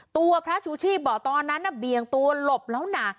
ตัวพระชูชีพบอกตอนนั้นน่ะเบี่ยงตัวหลบแล้วนะ